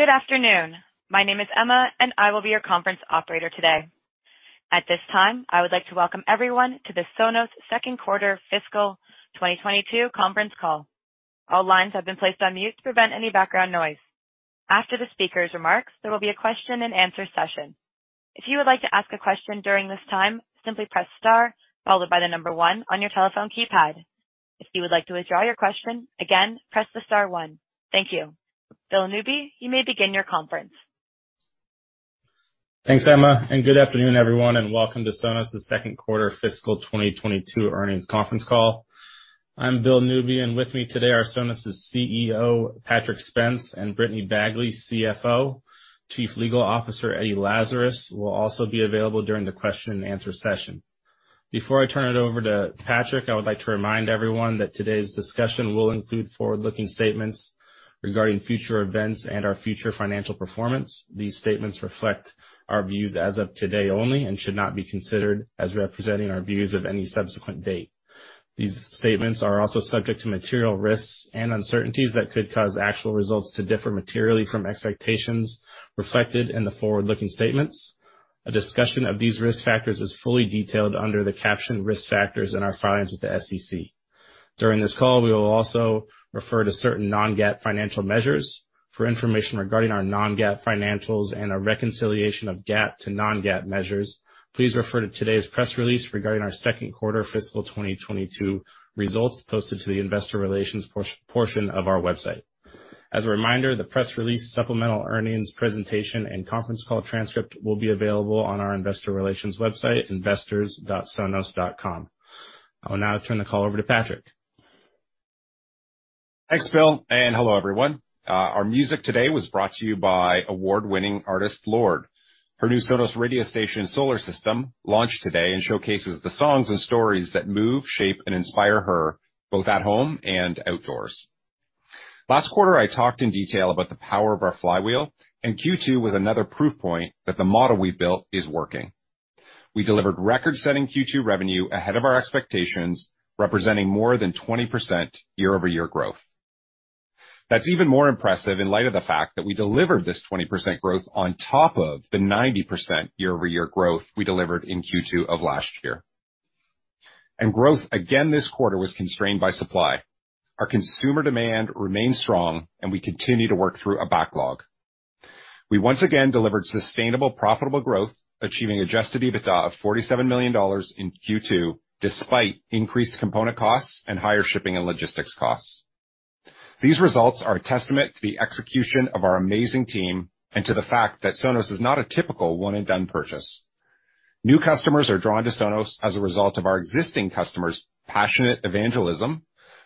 Good afternoon. My name is Emma, and I will be your conference operator today. At this time, I would like to welcome everyone to the Sonos second quarter fiscal 2022 conference call. All lines have been placed on mute to prevent any background noise. After the speaker's remarks, there will be a question-and-answer session. If you would like to ask a question during this time, simply press star followed by the number one on your telephone keypad. If you would like to withdraw your question, again, press the star one. Thank you. Bill Newby, you may begin your conference. Thanks, Emma, and good afternoon, everyone, and welcome to Sonos's second quarter fiscal 2022 earnings conference call. I'm Bill Newby, and with me today are Sonos's CEO, Patrick Spence, and Brittany Bagley, CFO. Chief Legal Officer, Eddie Lazarus, will also be available during the question-and-answer session. Before I turn it over to Patrick, I would like to remind everyone that today's discussion will include forward-looking statements regarding future events and our future financial performance. These statements reflect our views as of today only and should not be considered as representing our views of any subsequent date. These statements are also subject to material risks and uncertainties that could cause actual results to differ materially from expectations reflected in the forward-looking statements. A discussion of these risk factors is fully detailed under the caption Risk Factors in our filings with the SEC. During this call, we will also refer to certain non-GAAP financial measures. For information regarding our non-GAAP financials and a reconciliation of GAAP to non-GAAP measures, please refer to today's press release regarding our second quarter fiscal 2022 results posted to the investor relations portion of our website. As a reminder, the press release, supplemental earnings presentation, and conference call transcript will be available on our investor relations website, investors.sonos.com. I will now turn the call over to Patrick. Thanks, Bill, and hello, everyone. Our music today was brought to you by award-winning artist Lorde. Her new Sonos Radio station, Solar System, launched today and showcases the songs and stories that move, shape, and inspire her, both at home and outdoors. Last quarter, I talked in detail about the power of our flywheel, and Q2 was another proof point that the model we built is working. We delivered record-setting Q2 revenue ahead of our expectations, representing more than 20% year-over-year growth. That's even more impressive in light of the fact that we delivered this 20% growth on top of the 90% year-over-year growth we delivered in Q2 of last year. Growth again this quarter was constrained by supply. Our consumer demand remains strong, and we continue to work through a backlog. We once again delivered sustainable, profitable growth, achieving Adjusted EBITDA of $47 million in Q2, despite increased component costs and higher shipping and logistics costs. These results are a testament to the execution of our amazing team and to the fact that Sonos is not a typical one-and-done purchase. New customers are drawn to Sonos as a result of our existing customers' passionate evangelism.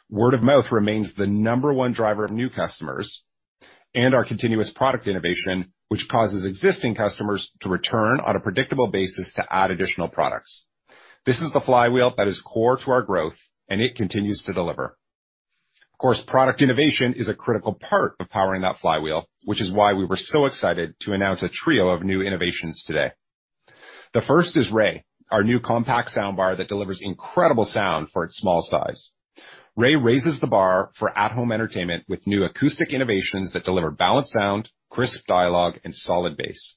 Word of mouth remains the number one driver of new customers and our continuous product innovation, which causes existing customers to return on a predictable basis to add additional products. This is the flywheel that is core to our growth, and it continues to deliver. Of course, product innovation is a critical part of powering that flywheel, which is why we were so excited to announce a trio of new innovations today. The first is Ray, our new compact soundbar that delivers incredible sound for its small size. Ray raises the bar for at-home entertainment with new acoustic innovations that deliver balanced sound, crisp dialogue, and solid bass.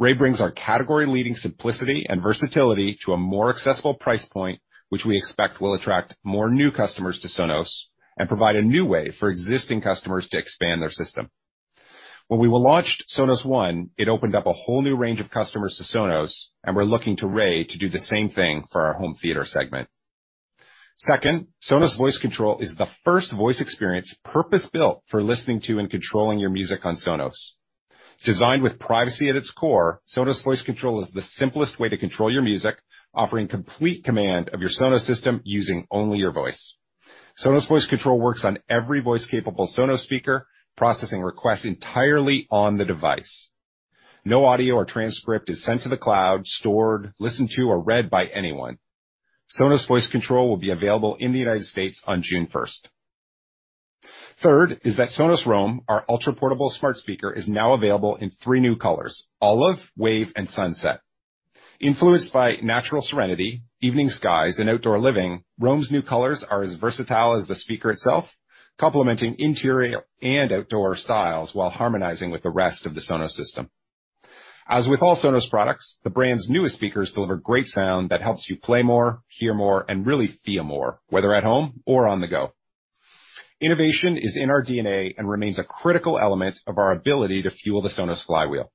Ray brings our category-leading simplicity and versatility to a more accessible price point, which we expect will attract more new customers to Sonos and provide a new way for existing customers to expand their system. When we launched Sonos One, it opened up a whole new range of customers to Sonos, and we're looking to Ray to do the same thing for our home theater segment. Second, Sonos Voice Control is the first voice experience purpose-built for listening to and controlling your music on Sonos. Designed with privacy at its core, Sonos Voice Control is the simplest way to control your music, offering complete command of your Sonos system using only your voice. Sonos Voice Control works on every voice-capable Sonos speaker, processing requests entirely on the device. No audio or transcript is sent to the cloud, stored, listened to, or read by anyone. Sonos Voice Control will be available in the United States on June 1st. Third is that Sonos Roam, our ultra-portable smart speaker, is now available in three new colors, Olive, Wave, and Sunset. Influenced by natural serenity, evening skies, and outdoor living, Roam's new colors are as versatile as the speaker itself, complementing interior and outdoor styles while harmonizing with the rest of the Sonos system. As with all Sonos products, the brand's newest speakers deliver great sound that helps you play more, hear more, and really feel more, whether at home or on the go. Innovation is in our DNA and remains a critical element of our ability to fuel the Sonos flywheel.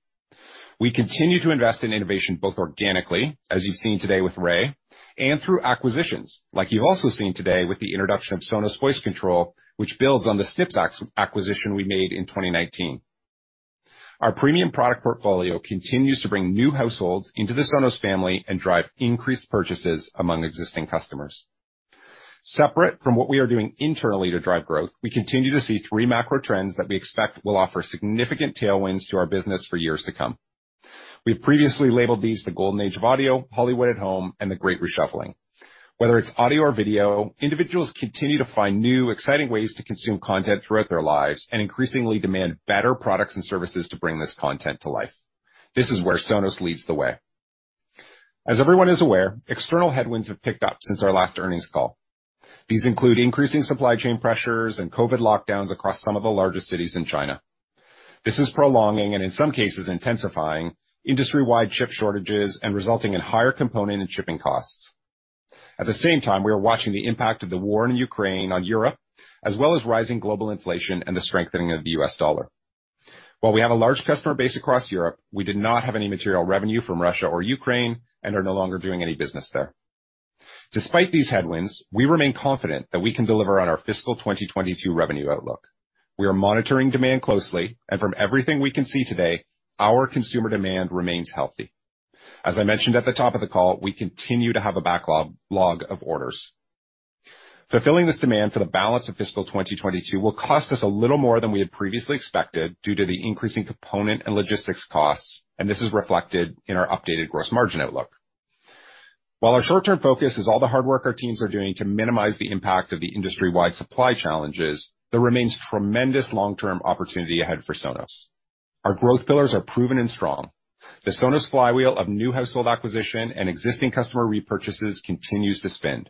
We continue to invest in innovation both organically, as you've seen today with Ray, and through acquisitions, like you've also seen today with the introduction of Sonos Voice Control, which builds on the Snips acquisition we made in 2019. Our premium product portfolio continues to bring new households into the Sonos family and drive increased purchases among existing customers. Separate from what we are doing internally to drive growth, we continue to see three macro trends that we expect will offer significant tailwinds to our business for years to come. We previously labeled these The Golden Age of Audio, Hollywood at Home, and The Great Reshuffling. Whether it's audio or video, individuals continue to find new, exciting ways to consume content throughout their lives and increasingly demand better products and services to bring this content to life. This is where Sonos leads the way. As everyone is aware, external headwinds have picked up since our last earnings call. These include increasing supply chain pressures and COVID lockdowns across some of the largest cities in China. This is prolonging, and in some cases intensifying industry-wide chip shortages and resulting in higher component and shipping costs. At the same time, we are watching the impact of the war in Ukraine on Europe, as well as rising global inflation and the strengthening of the U.S. dollar. While we have a large customer base across Europe, we did not have any material revenue from Russia or Ukraine and are no longer doing any business there. Despite these headwinds, we remain confident that we can deliver on our fiscal 2022 revenue outlook. We are monitoring demand closely and from everything we can see today, our consumer demand remains healthy. As I mentioned at the top of the call, we continue to have a backlog of orders. Fulfilling this demand for the balance of fiscal 2022 will cost us a little more than we had previously expected due to the increasing component and logistics costs, and this is reflected in our updated gross margin outlook. While our short-term focus is all the hard work our teams are doing to minimize the impact of the industry-wide supply challenges, there remains tremendous long-term opportunity ahead for Sonos. Our growth pillars are proven and strong. The Sonos flywheel of new household acquisition and existing customer repurchases continues to spin.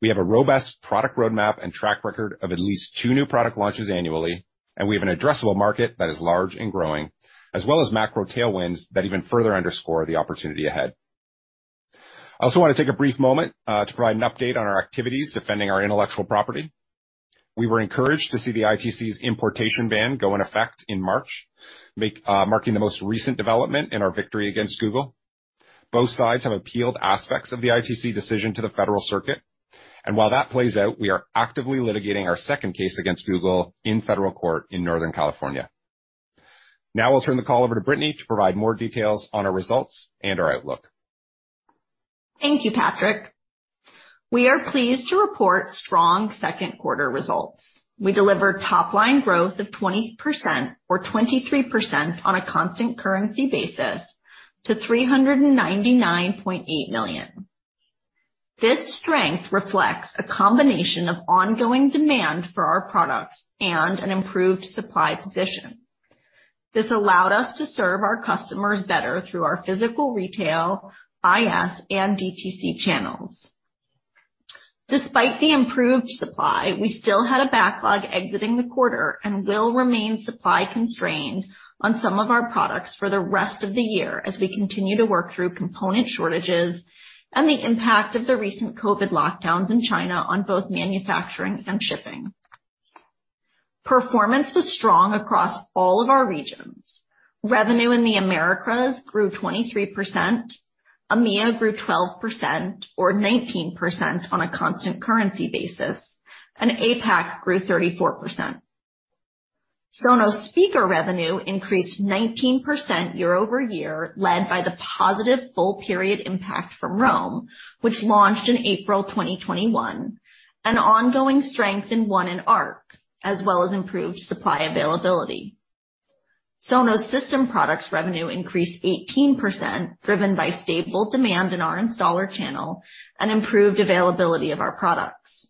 We have a robust product roadmap and track record of at least two new product launches annually, and we have an addressable market that is large and growing, as well as macro tailwinds that even further underscore the opportunity ahead. I also want to take a brief moment to provide an update on our activities defending our intellectual property. We were encouraged to see the ITC's importation ban go in effect in March, marking the most recent development in our victory against Google. Both sides have appealed aspects of the ITC decision to the Federal Circuit, and while that plays out, we are actively litigating our second case against Google in federal court in Northern California. Now I'll turn the call over to Brittany to provide more details on our results and our outlook. Thank you, Patrick. We are pleased to report strong second quarter results. We delivered top line growth of 20% or 23% on a constant currency basis to $399.8 million. This strength reflects a combination of ongoing demand for our products and an improved supply position. This allowed us to serve our customers better through our physical retail, IS, and DTC channels. Despite the improved supply, we still had a backlog exiting the quarter and will remain supply constrained on some of our products for the rest of the year as we continue to work through component shortages and the impact of the recent COVID lockdowns in China on both manufacturing and shipping. Performance was strong across all of our regions. Revenue in the Americas grew 23%. EMEA grew 12% or 19% on a constant currency basis, and APAC grew 34%. Sonos speaker revenue increased 19% year-over-year, led by the positive full period impact from Roam, which launched in April 2021, an ongoing strength in One and Arc, as well as improved supply availability. Sonos system products revenue increased 18%, driven by stable demand in our installer channel and improved availability of our products.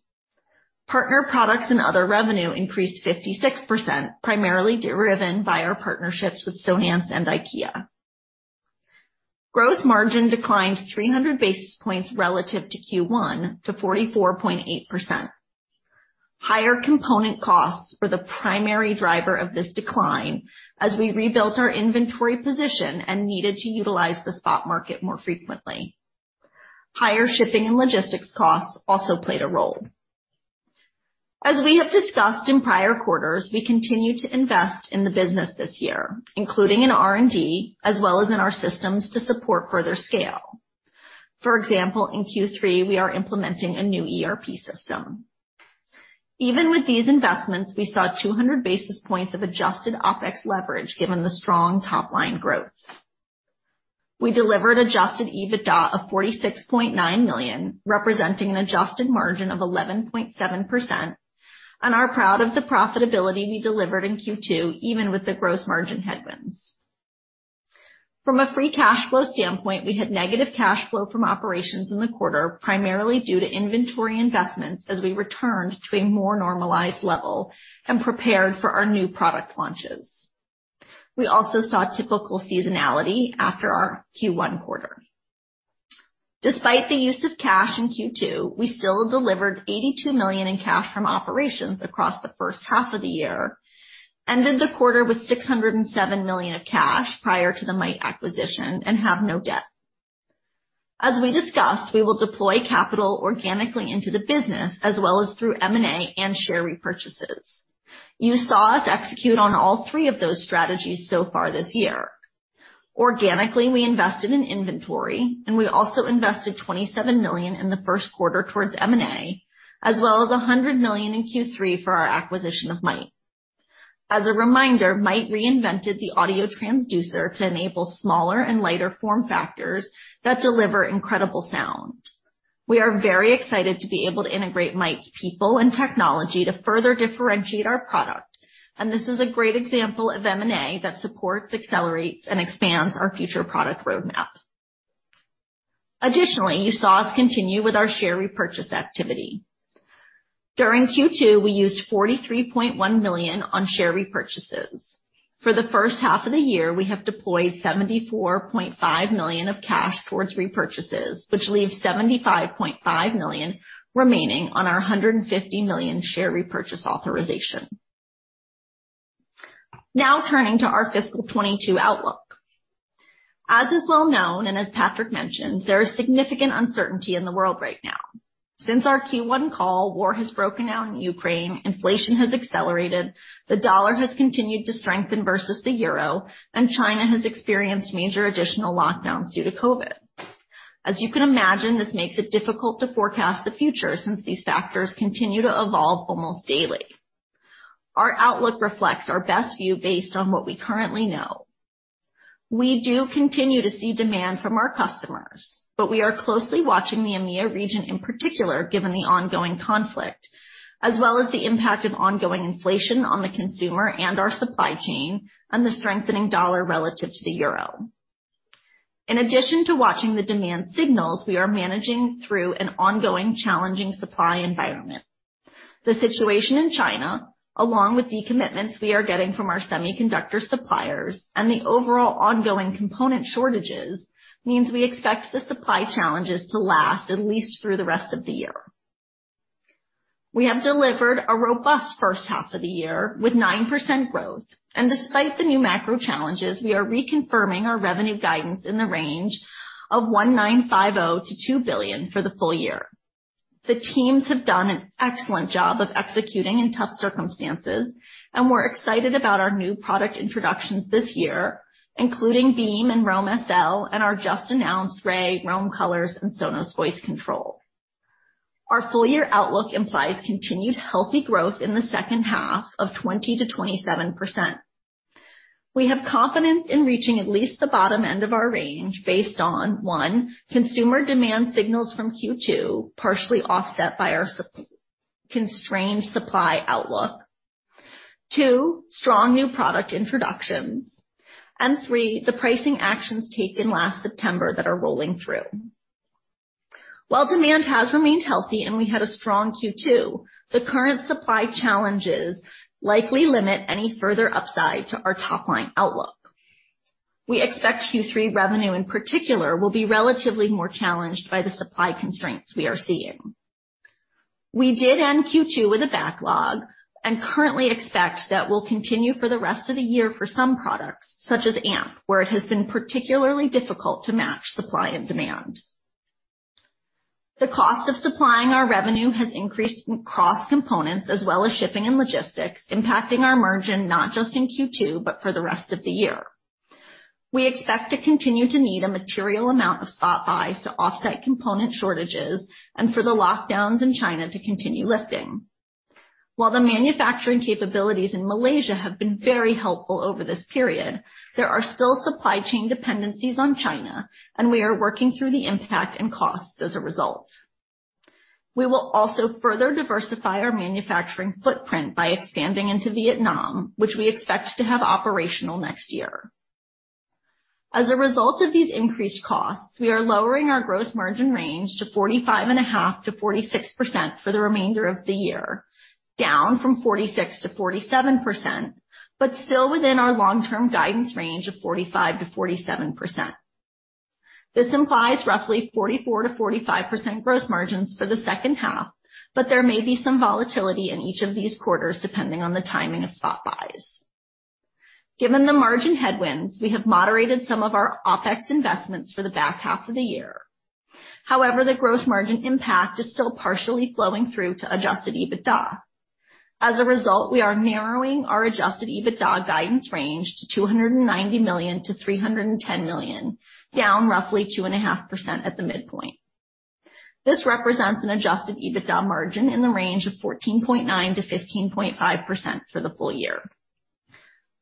Partner products and other revenue increased 56%, primarily driven by our partnerships with Sonance and IKEA. Gross margin declined 300 basis points relative to Q1 to 44.8%. Higher component costs were the primary driver of this decline as we rebuilt our inventory position and needed to utilize the spot market more frequently. Higher shipping and logistics costs also played a role. As we have discussed in prior quarters, we continue to invest in the business this year, including in R&D as well as in our systems to support further scale. For example, in Q3 we are implementing a new ERP system. Even with these investments, we saw 200 basis points of adjusted OpEx leverage given the strong top line growth. We delivered Adjusted EBITDA of $46.9 million, representing an adjusted margin of 11.7%, and are proud of the profitability we delivered in Q2, even with the gross margin headwinds. From a free cash flow standpoint, we had negative cash flow from operations in the quarter, primarily due to inventory investments as we returned to a more normalized level and prepared for our new product launches. We also saw typical seasonality after our Q1 quarter. Despite the use of cash in Q2, we still delivered $82 million in cash from operations across the first half of the year, ended the quarter with $607 million of cash prior to the Mayht acquisition and have no debt. As we discussed, we will deploy capital organically into the business as well as through M&A and share repurchases. You saw us execute on all three of those strategies so far this year. Organically, we invested in inventory and we also invested $27 million in the first quarter towards M&A as well as $100 million in Q3 for our acquisition of Mayht. As a reminder, Mayht reinvented the audio transducer to enable smaller and lighter form factors that deliver incredible sound. We are very excited to be able to integrate Mayht's people and technology to further differentiate our product, and this is a great example of M&A that supports, accelerates, and expands our future product roadmap. Additionally, you saw us continue with our share repurchase activity. During Q2, we used $43.1 million on share repurchases. For the first half of the year, we have deployed $74.5 million of cash towards repurchases, which leaves $75.5 million remaining on our $150 million share repurchase authorization. Now turning to our fiscal 2022 outlook. As is well known, and as Patrick mentioned, there is significant uncertainty in the world right now. Since our Q1 call, war has broken out in Ukraine, inflation has accelerated, the dollar has continued to strengthen versus the euro, and China has experienced major additional lockdowns due to COVID. As you can imagine, this makes it difficult to forecast the future, since these factors continue to evolve almost daily. Our outlook reflects our best view based on what we currently know. We do continue to see demand from our customers, but we are closely watching the EMEA region in particular, given the ongoing conflict, as well as the impact of ongoing inflation on the consumer and our supply chain and the strengthening dollar relative to the euro. In addition to watching the demand signals, we are managing through an ongoing challenging supply environment. The situation in China, along with decommitments we are getting from our semiconductor suppliers and the overall ongoing component shortages, means we expect the supply challenges to last at least through the rest of the year. We have delivered a robust first half of the year with 9% growth. Despite the new macro challenges, we are reconfirming our revenue guidance in the range of $1.95 billion-$2 billion for the full year. The teams have done an excellent job of executing in tough circumstances, and we're excited about our new product introductions this year, including Beam and Roam SL, and our just-announced Ray, Roam Colors and Sonos Voice Control. Our full-year outlook implies continued healthy growth in the second half of 20%-27%. We have confidence in reaching at least the bottom end of our range based on, one, consumer demand signals from Q2, partially offset by our constrained supply outlook. Two, strong new product introductions. Three, the pricing actions taken last September that are rolling through. While demand has remained healthy and we had a strong Q2, the current supply challenges likely limit any further upside to our top line outlook. We expect Q3 revenue, in particular, will be relatively more challenged by the supply constraints we are seeing. We did end Q2 with a backlog and currently expect that will continue for the rest of the year for some products, such as Amp, where it has been particularly difficult to match supply and demand. The cost of supplying our revenue has increased across components as well as shipping and logistics, impacting our margin, not just in Q2, but for the rest of the year. We expect to continue to need a material amount of spot buys to offset component shortages and for the lockdowns in China to continue lifting. While the manufacturing capabilities in Malaysia have been very helpful over this period, there are still supply chain dependencies on China, and we are working through the impact and costs as a result. We will also further diversify our manufacturing footprint by expanding into Vietnam, which we expect to have operational next year. As a result of these increased costs, we are lowering our gross margin range to 45.5%-46% for the remainder of the year, down from 46%-47%, but still within our long-term guidance range of 45%-47%. This implies roughly 44%-45% gross margins for the second half, but there may be some volatility in each of these quarters, depending on the timing of spot buys. Given the margin headwinds, we have moderated some of our OpEx investments for the back half of the year. However, the gross margin impact is still partially flowing through to Adjusted EBITDA. As a result, we are narrowing our Adjusted EBITDA guidance range to $290 million-$310 million, down roughly 2.5% at the midpoint. This represents an Adjusted EBITDA margin in the range of 14.9%-15.5% for the full year.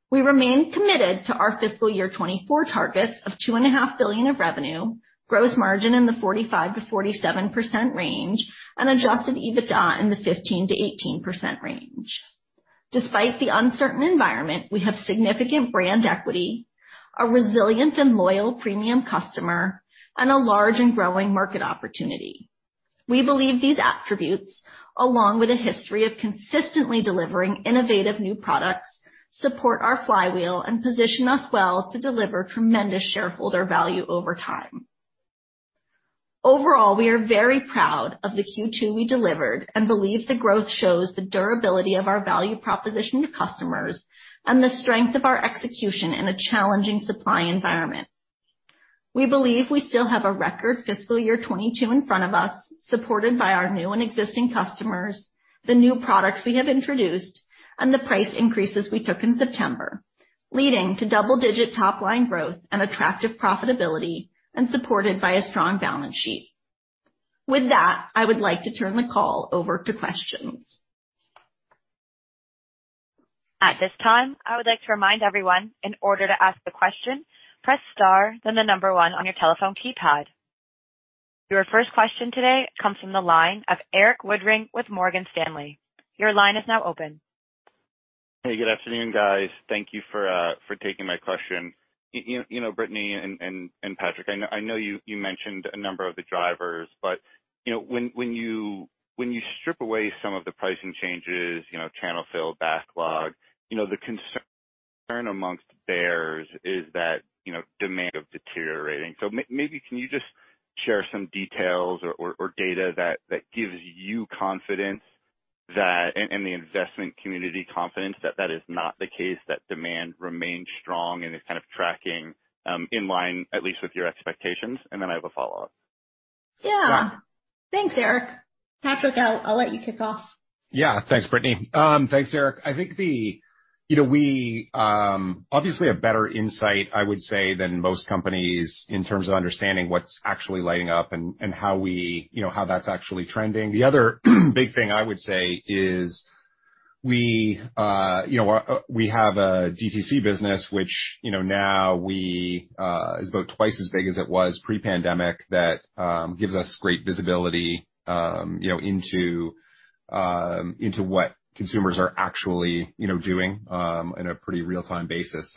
We remain committed to our fiscal year 2024 targets of $2.5 billion of revenue, gross margin in the 45%-47% range, and Adjusted EBITDA in the 15%-18% range. Despite the uncertain environment, we have significant brand equity, a resilient and loyal premium customer, and a large and growing market opportunity. We believe these attributes, along with a history of consistently delivering innovative new products, support our flywheel and position us well to deliver tremendous shareholder value over time. Overall, we are very proud of the Q2 we delivered and believe the growth shows the durability of our value proposition to customers and the strength of our execution in a challenging supply environment. We believe we still have a record fiscal year 2022 in front of us, supported by our new and existing customers, the new products we have introduced, and the price increases we took in September, leading to double-digit top line growth and attractive profitability and supported by a strong balance sheet. With that, I would like to turn the call over to questions. At this time, I would like to remind everyone, in order to ask a question, press star then the number one on your telephone keypad. Your first question today comes from the line of Erik Woodring with Morgan Stanley. Your line is now open. Hey, good afternoon, guys. Thank you for taking my question. You know, Brittany and Patrick, I know you mentioned a number of the drivers, but you know, when you strip away some of the pricing changes, you know, channel fill, backlog, you know, the concern among bears is that you know, demand is deteriorating. Maybe can you just share some details or data that gives you and the investment community confidence that that is not the case, that demand remains strong and is kind of tracking in line at least with your expectations? Then I have a follow-up. Yeah. Thanks, Erik. Patrick, I'll let you kick off. Yeah. Thanks, Brittany. Thanks, Eric. I think you know, we obviously have better insight, I would say, than most companies in terms of understanding what's actually lighting up and how we, you know, how that's actually trending. The other big thing I would say is we you know we have a DTC business which, you know, now is about twice as big as it was pre-pandemic, that gives us great visibility, you know, into what consumers are actually, you know, doing in a very real time basis.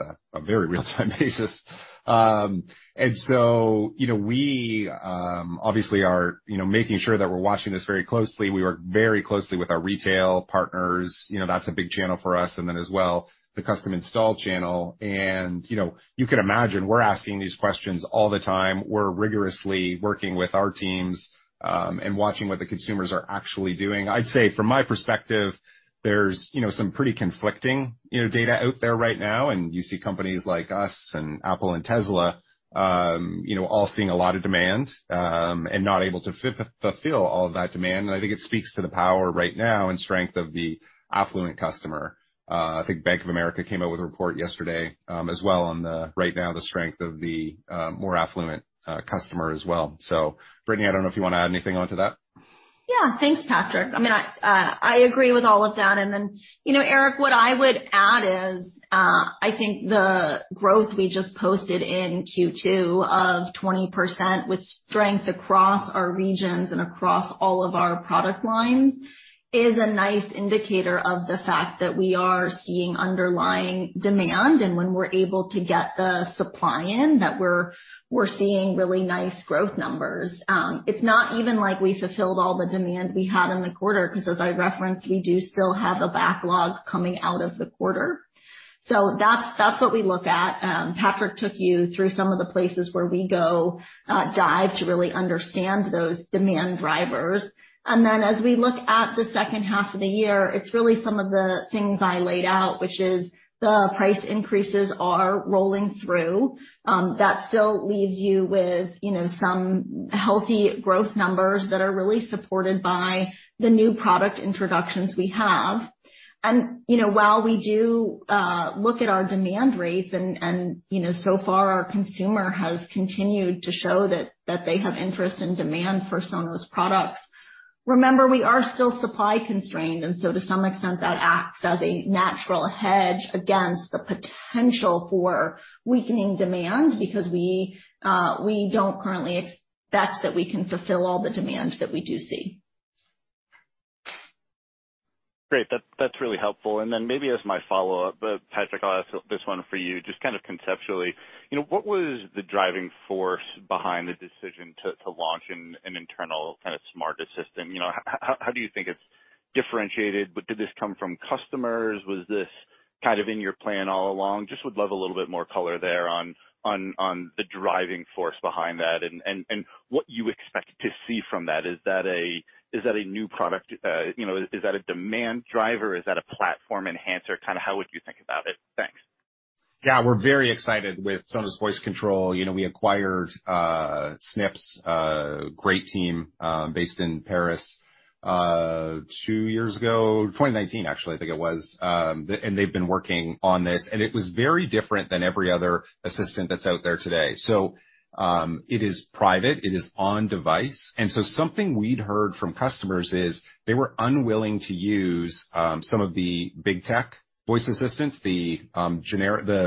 You know, we obviously are you know, making sure that we're watching this very closely. We work very closely with our retail partners. You know, that's a big channel for us, and then as well the custom install channel. You know, you can imagine we're asking these questions all the time. We're rigorously working with our teams, and watching what the consumers are actually doing. I'd say from my perspective, there's, you know, some pretty conflicting, you know, data out there right now, and you see companies like us and Apple and Tesla, you know, all seeing a lot of demand, and not able to fulfill all of that demand. I think it speaks to the power right now and strength of the affluent customer. I think Bank of America came out with a report yesterday, as well on the right now the strength of the more affluent customer as well. Brittany, I don't know if you wanna add anything onto that. Yeah. Thanks, Patrick. I mean, I agree with all of that. You know, Erik, what I would add is, I think the growth we just posted in Q2 of 20% with strength across our regions and across all of our product lines is a nice indicator of the fact that we are seeing underlying demand, and when we're able to get the supply in, that we're seeing really nice growth numbers. It's not even like we fulfilled all the demand we had in the quarter 'cause as I referenced, we do still have a backlog coming out of the quarter. That's what we look at. Patrick took you through some of the places where we go dive to really understand those demand drivers. As we look at the second half of the year, it's really some of the things I laid out, which is the price increases are rolling through. That still leaves you with, you know, some healthy growth numbers that are really supported by the new product introductions we have. You know, while we do look at our demand rates and you know, so far our consumer has continued to show that they have interest and demand for Sonos products. Remember, we are still supply constrained, and so to some extent that acts as a natural hedge against the potential for weakening demand because we don't currently expect that we can fulfill all the demand that we do see. That's really helpful. Maybe as my follow-up, Patrick, I'll ask this one for you. Just kind of conceptually, what was the driving force behind the decision to launch an internal kind of smart assistant? How do you think it's differentiated? Did this come from customers? Was this kind of in your plan all along? Just would love a little bit more color there on the driving force behind that and what you expect to see from that. Is that a new product? Is that a demand driver? Is that a platform enhancer? Kinda how would you think about it? Thanks. Yeah, we're very excited with Sonos Voice Control. You know, we acquired Snips, a great team, based in Paris, two years ago, 2019 actually I think it was. They've been working on this, and it was very different than every other assistant that's out there today. It is private, it is on device. Something we'd heard from customers is they were unwilling to use some of the big tech voice assistants, the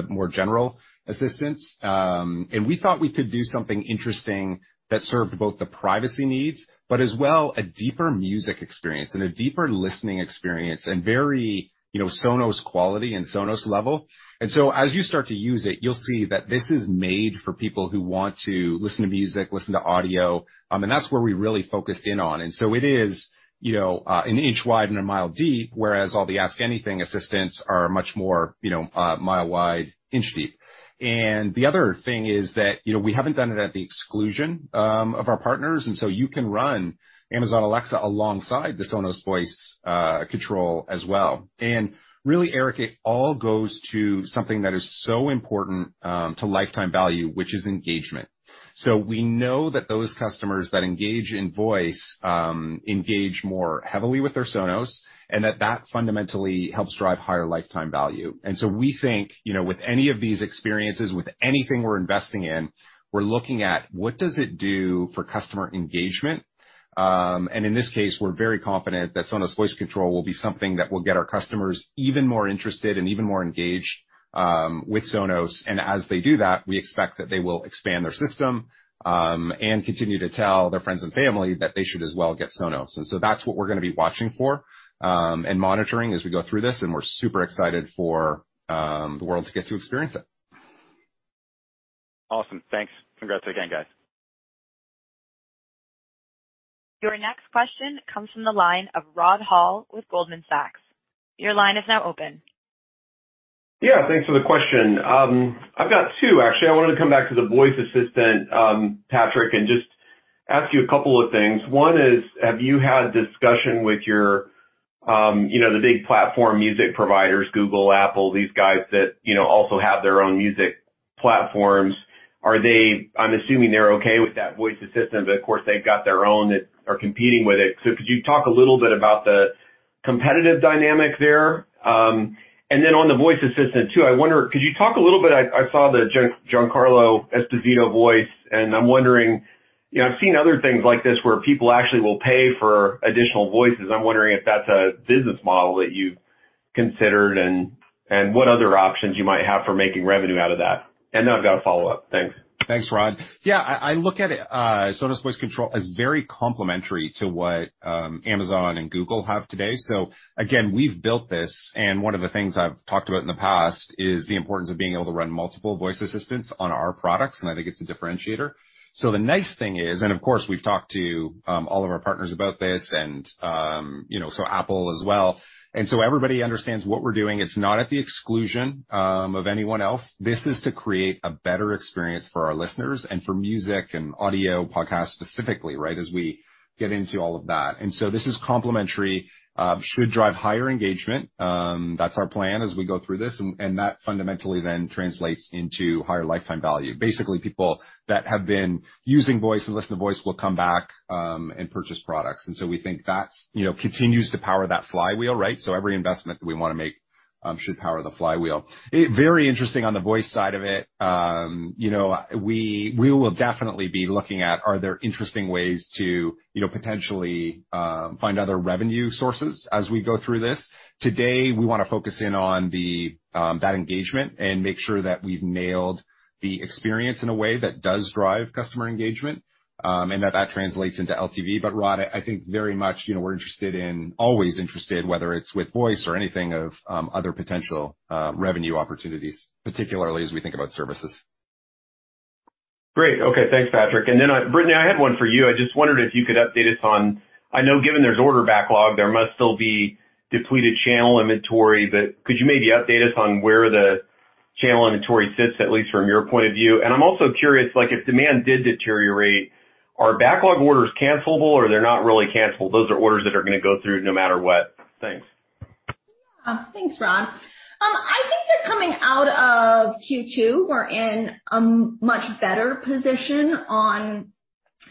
more general assistants. We thought we could do something interesting that served both the privacy needs, but as well, a deeper music experience and a deeper listening experience and very, you know, Sonos quality and Sonos level. As you start to use it, you'll see that this is made for people who want to listen to music, listen to audio, and that's where we really focused in on. It is, you know, an inch wide and a mile deep, whereas all the ask anything assistants are much more, you know, mile wide, inch deep. The other thing is that, you know, we haven't done it at the exclusion of our partners, and so you can run Amazon Alexa alongside the Sonos Voice Control as well. Really, Erik, it all goes to something that is so important to lifetime value, which is engagement. We know that those customers that engage in voice engage more heavily with their Sonos, and that fundamentally helps drive higher lifetime value. We think, you know, with any of these experiences, with anything we're investing in, we're looking at what does it do for customer engagement. In this case, we're very confident that Sonos Voice Control will be something that will get our customers even more interested and even more engaged with Sonos. As they do that, we expect that they will expand their system and continue to tell their friends and family that they should as well get Sonos. That's what we're gonna be watching for and monitoring as we go through this, and we're super excited for the world to get to experience it. Awesome. Thanks. Congrats again, guys. Your next question comes from the line of Rod Hall with Goldman Sachs. Your line is now open. Yeah, thanks for the question. I've got two, actually. I wanted to come back to the voice assistant, Patrick, and just ask you a couple of things. One is have you had discussion with your, you know, the big platform music providers, Google, Apple, these guys that, you know, also have their own music platforms. Are they? I'm assuming they're okay with that voice assistant, but of course they've got their own that are competing with it. So could you talk a little bit about the competitive dynamic there? And then on the voice assistant too, I wonder, could you talk a little bit. I saw the Giancarlo Esposito voice, and I'm wondering, you know, I've seen other things like this where people actually will pay for additional voices. I'm wondering if that's a business model that you've considered and what other options you might have for making revenue out of that. Then I've got a follow-up. Thanks. Thanks, Rod. Yeah, I look at it, Sonos Voice Control as very complementary to what, Amazon and Google have today. Again, we've built this, and one of the things I've talked about in the past is the importance of being able to run multiple voice assistants on our products, and I think it's a differentiator. The nice thing is, and of course we've talked to all of our partners about this and, you know, so Apple as well. Everybody understands what we're doing. It's not at the exclusion of anyone else. This is to create a better experience for our listeners and for music and audio podcasts specifically, right? As we get into all of that. This is complementary. Should drive higher engagement. That's our plan as we go through this and that fundamentally then translates into higher lifetime value. Basically, people that have been using voice and listen to voice will come back and purchase products. We think that's, you know, continues to power that flywheel, right? Every investment that we wanna make should power the flywheel. Very interesting on the voice side of it. You know, we will definitely be looking at, are there interesting ways to, you know, potentially, find other revenue sources as we go through this. Today, we wanna focus in on that engagement and make sure that we've nailed the experience in a way that does drive customer engagement and that that translates into LTV. Rod, I think very much, you know, we're always interested, whether it's with voice or any other potential revenue opportunities, particularly as we think about services. Great. Okay, thanks, Patrick. Then I—Brittany, I had one for you. I just wondered if you could update us on, I know given there's order backlog, there must still be depleted channel inventory, but could you maybe update us on where the channel inventory sits, at least from your point of view? I'm also curious, like if demand did deteriorate, are backlog orders cancelable or they're not really cancelable? Those are orders that are gonna go through no matter what. Thanks. Yeah. Thanks, Rod. I think that coming out of Q2, we're in a much better position on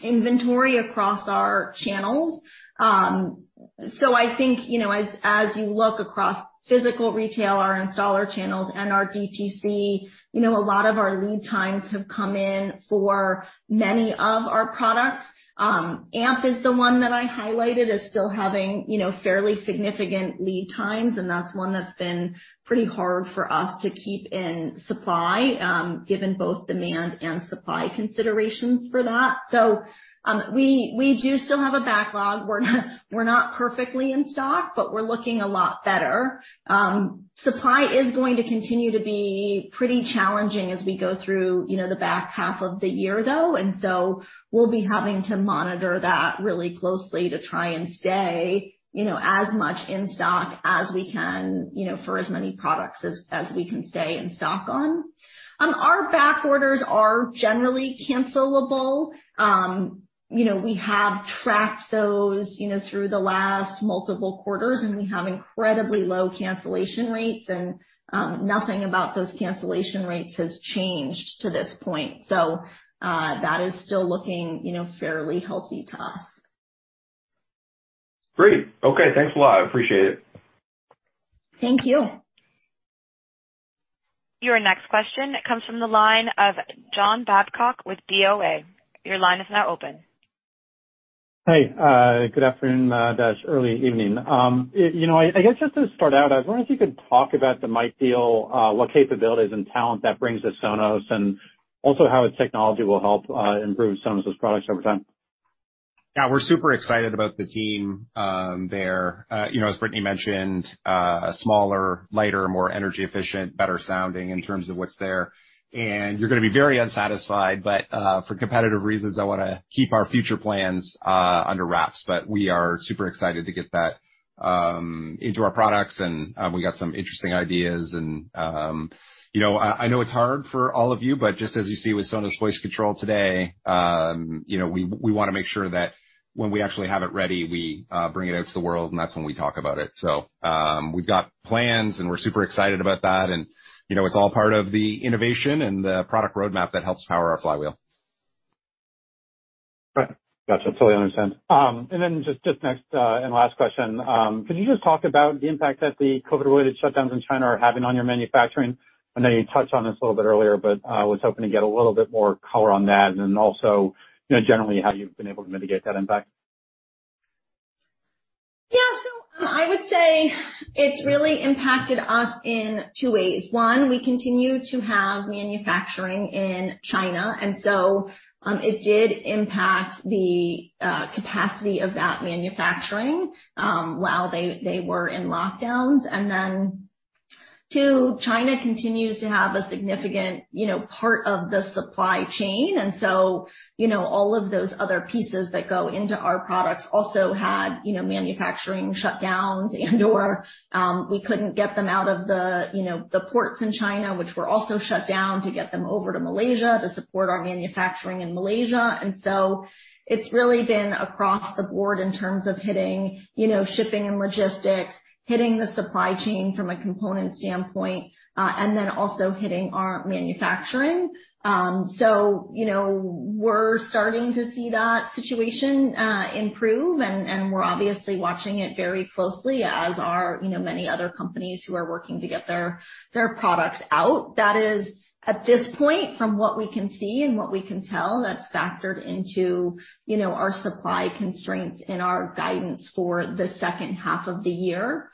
inventory across our channels. I think, you know, as you look across physical retail, our installer channels and our DTC, you know, a lot of our lead times have come in for many of our products. Amp is the one that I highlighted as still having, you know, fairly significant lead times, and that's one that's been pretty hard for us to keep in supply, given both demand and supply considerations for that. We do still have a backlog. We're not perfectly in stock, but we're looking a lot better. Supply is going to continue to be pretty challenging as we go through, you know, the back half of the year though, and so we'll be having to monitor that really closely to try and stay, you know, as much in stock as we can, you know, for as many products as we can stay in stock on. Our back orders are generally cancelable. You know, we have tracked those, you know, through the last multiple quarters, and we have incredibly low cancellation rates and nothing about those cancellation rates has changed to this point. That is still looking, you know, fairly healthy to us. Great. Okay. Thanks a lot. I appreciate it. Thank you. Your next question comes from the line of John Babcock with BofA. Your line is now open. Hey, good afternoon, Dash, early evening. You know, I guess just to start out, I wonder if you could talk about the Mayht deal, what capabilities and talent that brings to Sonos, and also how its technology will help improve Sonos' products over time. Yeah, we're super excited about the team, there. You know, as Brittany mentioned, a smaller, lighter, more energy efficient, better sounding in terms of what's there. You're gonna be very unsatisfied, but for competitive reasons, I wanna keep our future plans under wraps. We are super excited to get that into our products, and we got some interesting ideas and, you know, I know it's hard for all of you, but just as you see with Sonos Voice Control today, you know, we wanna make sure that when we actually have it ready, we bring it out to the world and that's when we talk about it. We've got plans and we're super excited about that and, you know, it's all part of the innovation and the product roadmap that helps power our flywheel. Right. Gotcha. Totally understand. Just next and last question. Can you just talk about the impact that the COVID-related shutdowns in China are having on your manufacturing? I know you touched on this a little bit earlier, but was hoping to get a little bit more color on that and also, you know, generally how you've been able to mitigate that impact. Yeah. I would say it's really impacted us in two ways. One, we continue to have manufacturing in China, and so, it did impact the capacity of that manufacturing while they were in lockdowns. Two, China continues to have a significant, you know, part of the supply chain. You know, all of those other pieces that go into our products also had, you know, manufacturing shutdowns and/or we couldn't get them out of the, you know, the ports in China, which were also shut down to get them over to Malaysia to support our manufacturing in Malaysia. It's really been across the board in terms of hitting, you know, shipping and logistics, hitting the supply chain from a component standpoint, and then also hitting our manufacturing. You know, we're starting to see that situation improve, and we're obviously watching it very closely, as are, you know, many other companies who are working to get their products out. That is at this point, from what we can see and what we can tell, that's factored into, you know, our supply constraints and our guidance for the second half of the year.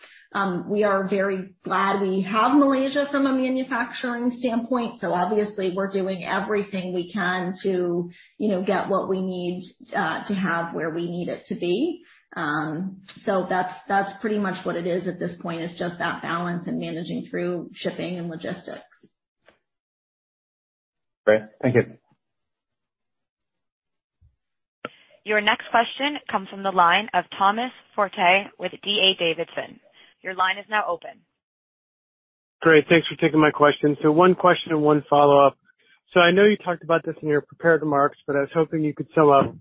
We are very glad we have Malaysia from a manufacturing standpoint, so obviously we're doing everything we can to, you know, get what we need to have where we need it to be. That's pretty much what it is at this point, is just that balance and managing through shipping and logistics. Great. Thank you. Your next question comes from the line of Thomas Forte with D.A. Davidson. Your line is now open. Great. Thanks for taking my question. One question and one follow-up. I know you talked about this in your prepared remarks, but I was hoping you could sum up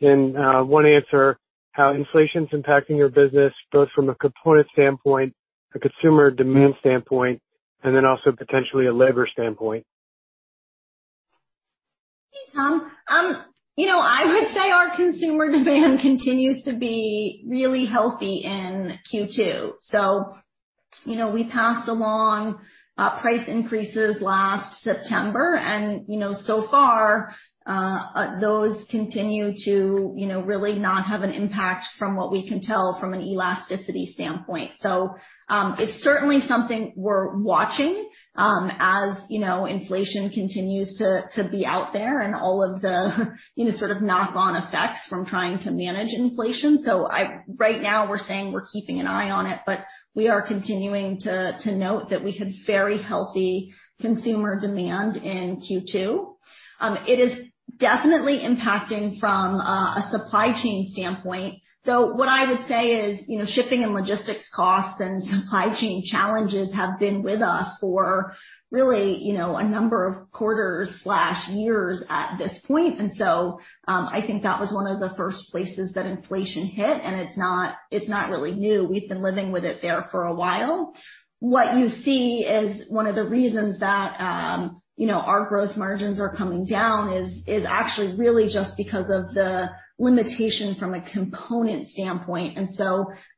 in one answer how inflation's impacting your business, both from a component standpoint, a consumer demand standpoint, and then also potentially a labor standpoint. Hey, Tom. You know, I would say our consumer demand continues to be really healthy in Q2. You know, we passed along price increases last September. You know, so far, those continue to really not have an impact from what we can tell from an elasticity standpoint. It's certainly something we're watching as you know, inflation continues to be out there and all of the sort of knock on effects from trying to manage inflation. Right now we're saying we're keeping an eye on it, but we are continuing to note that we had very healthy consumer demand in Q2. It is definitely impacting from a supply chain standpoint. What I would say is, you know, shipping and logistics costs and supply chain challenges have been with us for really, you know, a number of quarters or years at this point. I think that was one of the first places that inflation hit, and it's not really new. We've been living with it there for a while. What you see is one of the reasons that, you know, our gross margins are coming down is actually really just because of the limitation from a component standpoint.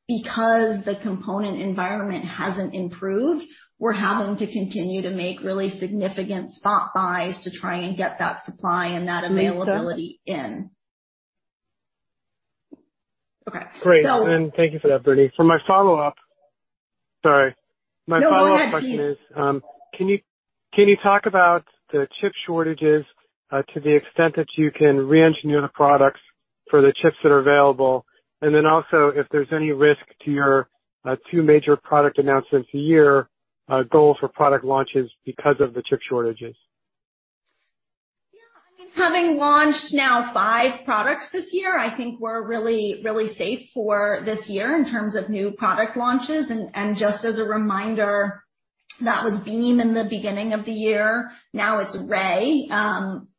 Because the component environment hasn't improved, we're having to continue to make really significant spot buys to try and get that supply and that availability in. Great. Thank you for that, Brittany. For my follow-up, sorry. No, go ahead, please. My follow-up question is, can you talk about the chip shortages, to the extent that you can re-engineer the products for the chips that are available, and then also if there's any risk to your two major product announcements a year goal for product launches because of the chip shortages? Yeah. I mean, having launched now five products this year, I think we're really, really safe for this year in terms of new product launches. Just as a reminder, that was Beam in the beginning of the year. Now it's Ray.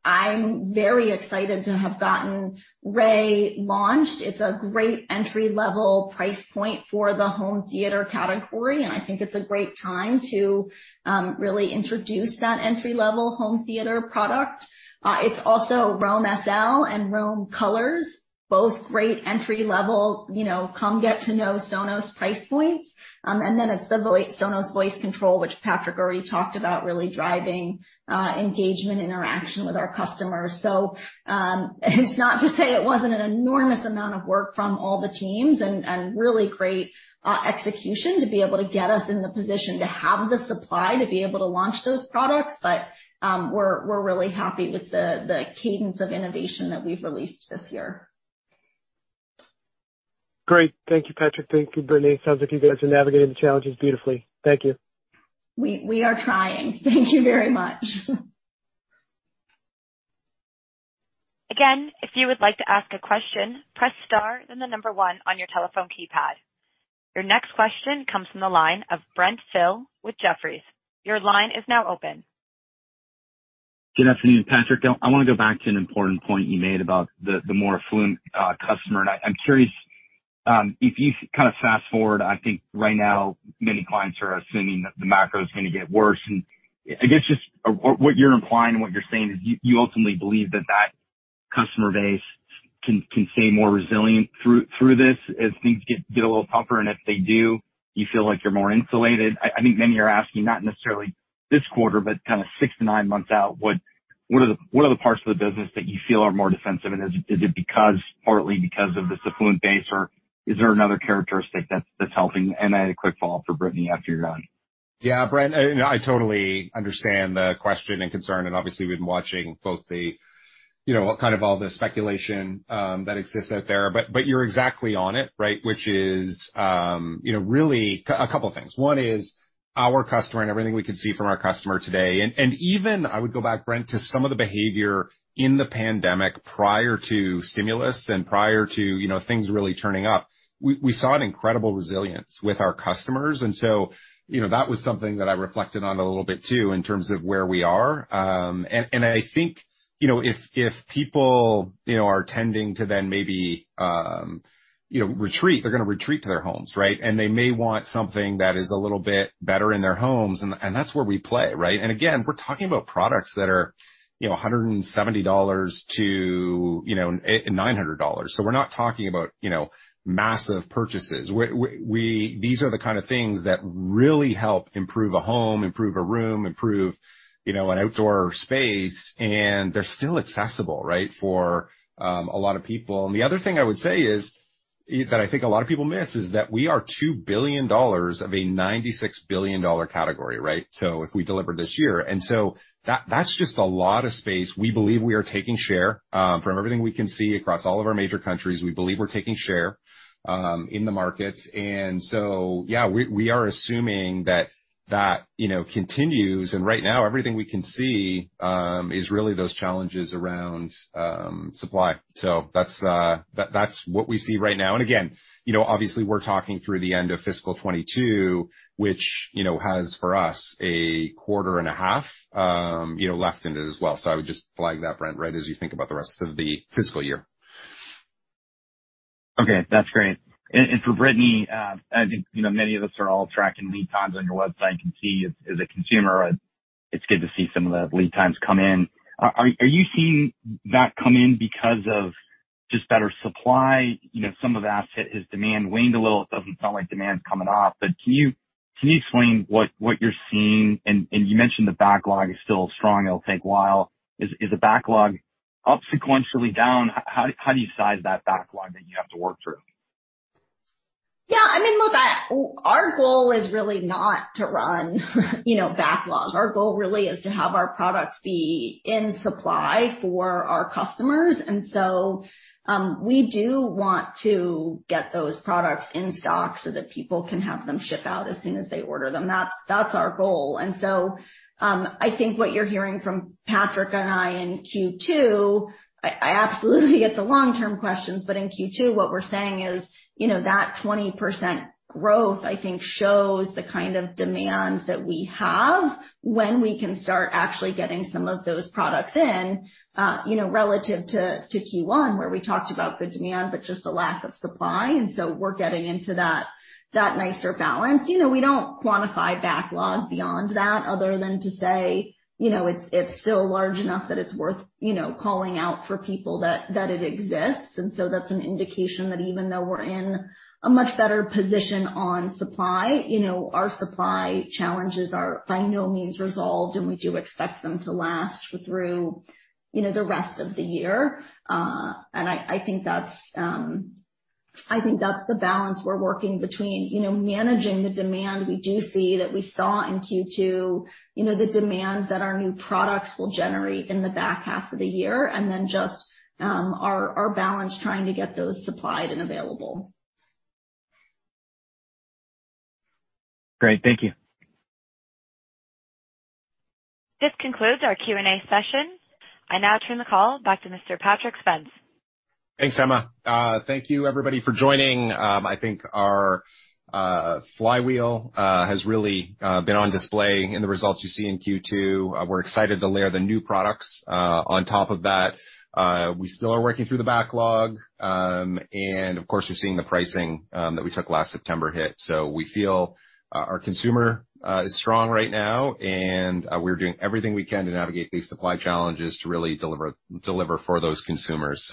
I'm very excited to have gotten Ray launched. It's a great entry level price point for the home theater category, and I think it's a great time to really introduce that entry level home theater product. It's also Roam SL and Roam Colors, both great entry level, you know, come get to know Sonos price points. And then it's Sonos Voice Control, which Patrick already talked about, really driving engagement interaction with our customers. It's not to say it wasn't an enormous amount of work from all the teams and really great execution to be able to get us in the position to have the supply to be able to launch those products. We're really happy with the cadence of innovation that we've released this year. Great. Thank you, Patrick. Thank you, Brittany. Sounds like you guys are navigating the challenges beautifully. Thank you. We are trying. Thank you very much. Again, if you would like to ask a question, press star then the number one on your telephone keypad. Your next question comes from the line of Brent Thill with Jefferies. Your line is now open. Good afternoon, Patrick. I wanna go back to an important point you made about the more affluent customer. I'm curious if you kind of fast forward. I think right now many clients are assuming that the macro is gonna get worse. I guess just what you're implying and what you're saying is you ultimately believe that customer base can stay more resilient through this as things get a little bumpier. If they do, you feel like you're more insulated. I think many are asking, not necessarily this quarter, but kinda six to nine months out, what are the parts of the business that you feel are more defensive? Is it because, partly because of this affluent base, or is there another characteristic that's helping? I had a quick follow-up for Brittany after you're done. Yeah. Brent, you know, I totally understand the question and concern, and obviously we've been watching both the, you know, kind of all the speculation that exists out there, but you're exactly on it, right? Which is, you know, really a couple of things. One is our customer and everything we can see from our customer today, and even I would go back, Brent, to some of the behavior in the pandemic prior to stimulus and prior to, you know, things really turning up. We saw an incredible resilience with our customers. You know, that was something that I reflected on a little bit too, in terms of where we are. And I think, you know, if people, you know, are tending to then maybe, you know, retreat, they're gonna retreat to their homes, right? They may want something that is a little bit better in their homes, and that's where we play, right? Again, we're talking about products that are, you know, $170-$900. We're not talking about, you know, massive purchases. These are the kind of things that really help improve a home, improve a room, improve, you know, an outdoor space, and they're still accessible, right, for a lot of people. The other thing I would say is that I think a lot of people miss is that we are $2 billion of a $96 billion category, right? If we deliver this year. That's just a lot of space. We believe we are taking share. From everything we can see across all of our major countries, we believe we're taking share in the markets. Yeah, we are assuming that, you know, continues. Right now, everything we can see is really those challenges around supply. That's what we see right now. Again, you know, obviously we're talking through the end of fiscal 2022, which, you know, has for us a quarter and a half left in it as well. I would just flag that, Brent, right, as you think about the rest of the fiscal year. Okay, that's great. For Brittany, I think, you know, many of us are all tracking lead times on your website. Can see as a consumer, it's good to see some of the lead times come in. Are you seeing that come in because of just better supply? You know, some of that is demand waned a little. It doesn't sound like demand's coming off. But can you explain what you're seeing? You mentioned the backlog is still strong, it'll take a while. Is the backlog up sequentially down? How do you size that backlog that you have to work through? Yeah, I mean, look, our goal is really not to run, you know, backlogs. Our goal really is to have our products be in supply for our customers. We do want to get those products in stock so that people can have them ship out as soon as they order them. That's our goal. I think what you're hearing from Patrick and I in Q2, I absolutely get the long-term questions, but in Q2, what we're saying is, you know, that 20% growth, I think, shows the kind of demand that we have when we can start actually getting some of those products in, you know, relative to Q1, where we talked about the demand, but just the lack of supply. We're getting into that nicer balance. You know, we don't quantify backlog beyond that other than to say, you know, it's still large enough that it's worth, you know, calling out for people that it exists. That's an indication that even though we're in a much better position on supply, you know, our supply challenges are by no means resolved, and we do expect them to last through, you know, the rest of the year. I think that's the balance we're working between, you know, managing the demand we do see that we saw in Q2, you know, the demands that our new products will generate in the back half of the year, and then just our balance trying to get those supplied and available. Great. Thank you. This concludes our Q&A session. I now turn the call back to Mr. Patrick Spence. Thanks, Emma. Thank you everybody for joining. I think our flywheel has really been on display in the results you see in Q2. We're excited to layer the new products on top of that. We still are working through the backlog. Of course, you're seeing the pricing that we took last September hit. We feel our consumer is strong right now, and we're doing everything we can to navigate these supply challenges to really deliver for those consumers.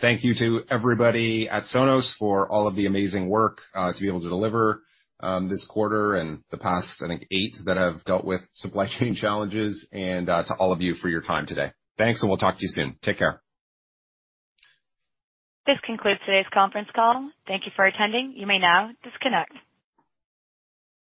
Thank you to everybody at Sonos for all of the amazing work to be able to deliver this quarter and the past, I think, eight that have dealt with supply chain challenges, and to all of you for your time today. Thanks, and we'll talk to you soon. Take care. This concludes today's conference call. Thank you for attending. You may now disconnect.